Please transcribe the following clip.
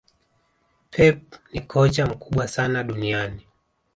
pep ni kocha mkubwa sana duniani